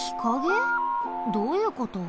どういうこと？